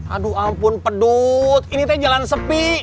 aduh ampun pedot ini teh jalan sepi